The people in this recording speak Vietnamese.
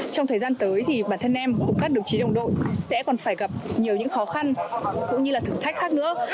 trong thời gian tới thì bản thân em cũng các đồng chí đồng đội sẽ còn phải gặp nhiều những khó khăn cũng như là thử thách khác nữa